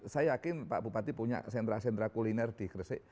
saya yakin pak bupati punya sentra sentra kuliner di gresik